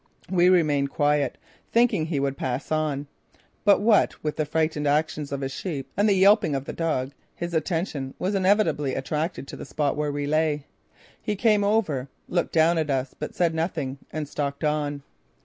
We remained quiet, thinking he would pass on; but what with the frightened actions of his sheep and the yelping of the dog his attention was inevitably attracted to the spot where we lay. He came over, looked down at us, but said nothing and stalked on.